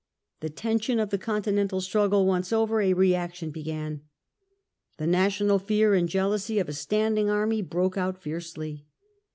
The tension of the continental struggle once over, a reaction began. The national fear and jealousy of a standing army broke out fiercely.